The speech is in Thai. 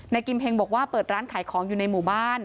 กิมเฮงบอกว่าเปิดร้านขายของอยู่ในหมู่บ้าน